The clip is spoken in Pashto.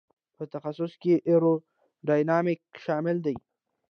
په تخصص کې ایرو ډینامیک شامل دی.